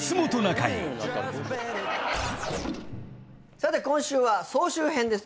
さて今週は総集編です。